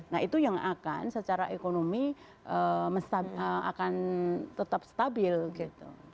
nah itu yang akan secara ekonomi akan tetap stabil gitu